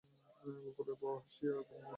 গোকুলের বউ হাসিয়া বলিল, ঘুমোও নি যে ঠাকুরপো?